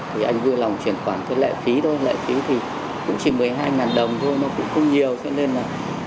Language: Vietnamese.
thì anh vui lòng chuyển khoản tới lệ phí thôi lệ phí thì cũng chỉ một mươi hai đồng thôi nó cũng không nhiều